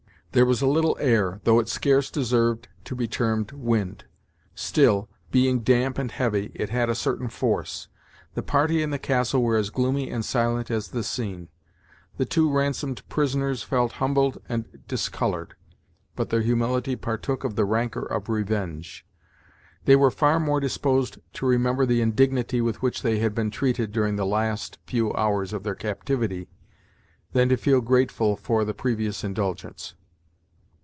There was a little air, though it scarce deserved to be termed wind. Still, being damp and heavy, it had a certain force. The party in the castle were as gloomy and silent as the scene. The two ransomed prisoners felt humbled and discoloured, but their humility partook of the rancour of revenge. They were far more disposed to remember the indignity with which they had been treated during the last few hours of their captivity, than to feel grateful for the previous indulgence.